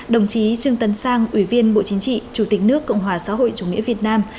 đồng chí trương tân sang ủy viên bộ chính trị chủ tịch nước cộng hòa xã hội chủ nghĩa việt nam